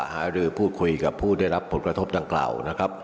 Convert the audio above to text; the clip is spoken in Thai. หารือพูดคุยกับผู้ได้รับผลกระทบดังกล่าวนะครับ